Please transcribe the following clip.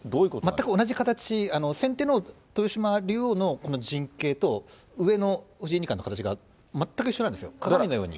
全く同じ形、先手の豊島竜王の陣形と上の藤井二冠の形が全く一緒なんですよ、鏡のように。